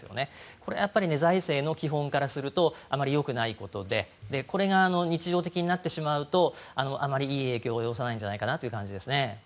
これは財政の基本からするとあまりよくないことでこれが日常的になってしまうとあまりいい影響を及ぼさないんじゃないかという感じですね。